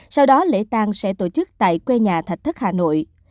sau đó lễ tang sẽ tổ chức tại quê nhà thạch thất hà nội